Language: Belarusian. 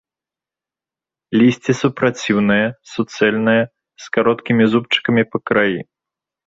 Лісце супраціўнае, суцэльнае, з кароткімі зубчыкамі па краі.